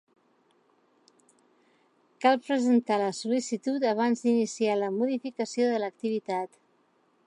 Cal presentar la sol·licitud abans d'iniciar la modificació de l'activitat.